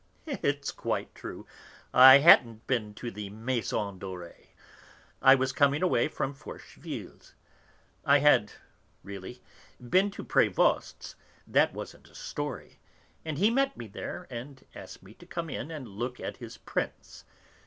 "It's quite true, I hadn't been to the Maison Dorée. I was coming away from Forcheville's. I had, really, been to Prévost's that wasn't a story and he met me there and asked me to come in and look at his prints.